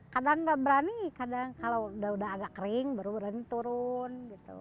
kadang nggak berani kadang kalau udah agak kering baru berani turun gitu